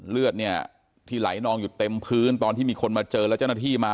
เลือดเนี่ยที่ไหลนองอยู่เต็มพื้นตอนที่มีคนมาเจอแล้วเจ้าหน้าที่มา